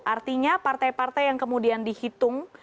artinya partai partai yang kemudian dihitung